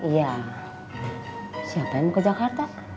iya siapa yang mau ke jakarta